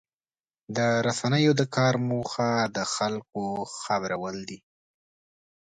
د رسنیو د کار موخه د خلکو خبرول دي.